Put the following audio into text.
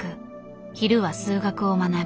昼は数学を学び